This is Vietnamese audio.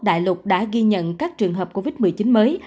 đại lục đã ghi nhận các trường hợp covid một mươi chín mới